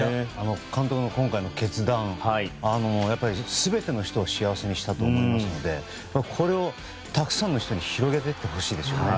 監督の今回の決断全ての人を幸せにしたと思いますのでこれを、たくさんの人に広げていってほしいですよね。